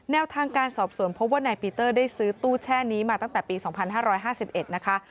แนวทางการสอบสวนพบว่านายปีเตอร์ได้ซื้อตู้แช่นี้มาตั้งแต่ปี๒๕๕๑นะคะ